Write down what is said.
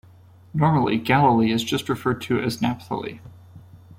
Normally, Galilee is just referred to as Naphthali.